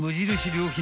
良品